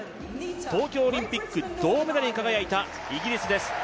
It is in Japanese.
東京オリンピック銅メダルに輝いたイギリスです。